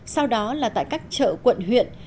sau đó là tại các chợ quận huyện